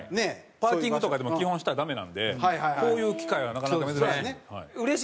パーキングとかでも基本したらダメなんでこういう機会はなかなか珍しい。